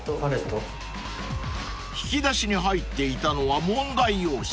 ［引き出しに入っていたのは問題用紙］